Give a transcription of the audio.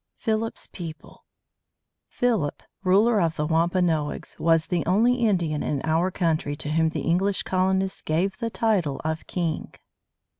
PHILIP'S PEOPLE Philip, ruler of the Wampanoags, was the only Indian in our country to whom the English colonists gave the title of king.